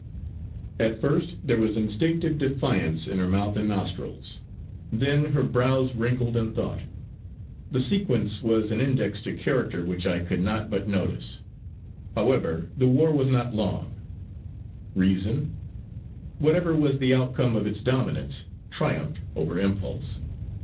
At first there was instinctive defiance in her mouth and nostrils. Then her brows wrinkled in thought; the sequence was an index to character which I could not but notice. However the war was not long; reason, whatever was the outcome of its dominance, triumphed over impulse.